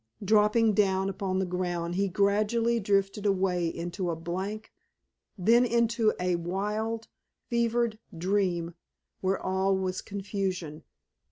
Dropping down upon the ground he gradually drifted away into a blank, then into a wild, fevered dream, where all was confusion.